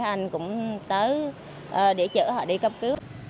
anh cũng tới để chữa họ đi cấp cứu